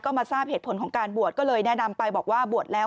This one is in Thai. ก็มาทราบเหตุผลของการบวชก็เลยแนะนำไปบอกว่าบวชแล้ว